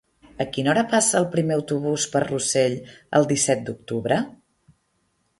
A quina hora passa el primer autobús per Rossell el disset d'octubre?